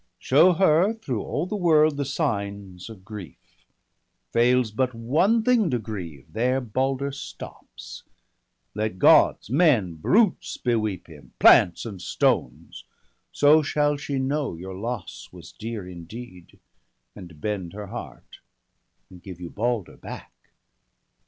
167 Show her through all the world the signs of grief I Fails hit one thing to grieve, there Balder stops I Let Gods, men, brutes, beweep him ; plants ajid stones I So shall she know your loss was dear indeed, And bend her heart, and give you Balder back!